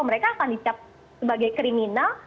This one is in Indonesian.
mereka akan dicap sebagai kriminal